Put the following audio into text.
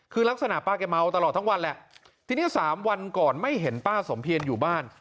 คือลักษณะป้าแกเมาตลอดทั้งวันแหละทีนี้สามวันก่อนไม่เห็นป้าสมเพียรอยู่บ้าน